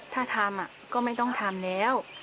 ถ้าทำก็ไม่ต้องทำแล้ว